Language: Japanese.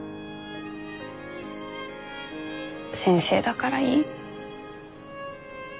先生だからいい。